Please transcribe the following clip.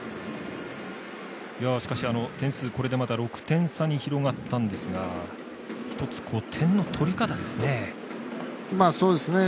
しかし、点数これで、また６点差に広がったんですが一つ、点の取り方ですね。